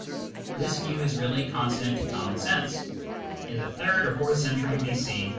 This view is really consonant to common sense. In the third or fourth century b.c.